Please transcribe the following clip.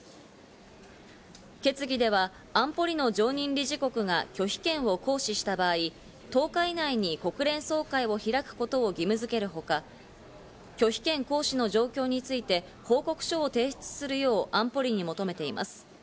決議では安保理の常任理事国が拒否権を行使した場合、１０日以内に国連総会を開くことを義務づけるほか、拒否権行使の状況について報告書を提出するよう安保理に求めています。